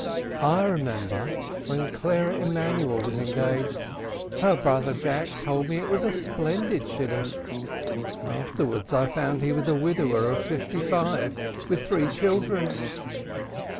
I remember when Clara Emanuel was engaged, her brother Jack told me it was a splendid Shidduch. Afterwards I found he was a widower of fifty five with three children."